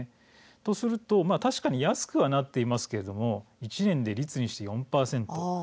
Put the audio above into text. そうすると確かに安くはなっていますけれども１年で率にして４％。